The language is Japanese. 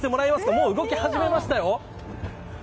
もう動き始めましたよ。